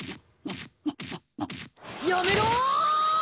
やめろ！